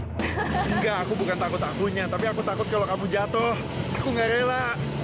enggak aku bukan takut akunya tapi aku takut kalau kamu jatuh aku nggak rela